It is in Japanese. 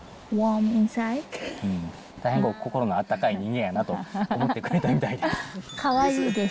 心のあったかい人間やなと思ってくれたみたいです。